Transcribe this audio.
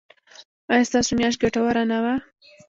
ایا ستاسو میاشت ګټوره نه وه؟